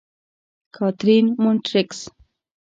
کاترین: مونټریکس.